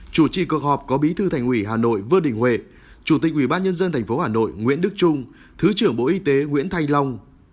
chủ trì cuộc họp có bí thư thành quỷ hà nội vương đình huệ chủ tịch ubnd tp hà nội nguyễn đức trung thứ trưởng bộ y tế nguyễn thanh long